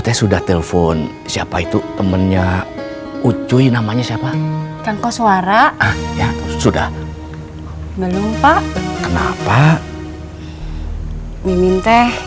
teh sudah telepon siapa itu temennya ucuy namanya siapa tangkau suara sudah belum pak kenapa mimin teh